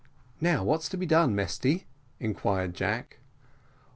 "Now what's to be done, Mesty?" inquired Jack.